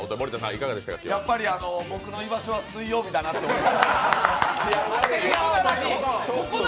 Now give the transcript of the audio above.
やっぱり僕の居場所は水曜日だなって思いました。